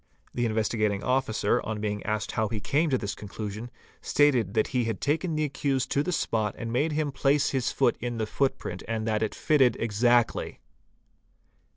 The Investigating Officer, on being asked how he came to this conclusion, stated that he had taken the accused » to the spot and made him place lis foot ir the footprint and that it fitted exactly